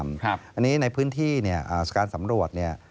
อันนี้ในพื้นที่เนี่ยการสำรวจเนี่ย